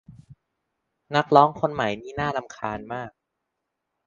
นักร้องคนใหม่นี่น่ารำคาญมาก